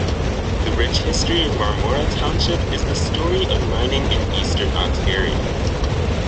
The rich history of Marmora Township is the story of mining in Eastern Ontario.